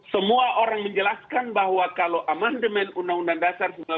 semua orang menjelaskan bahwa kalau amandemen undang undang dasar seribu sembilan ratus empat puluh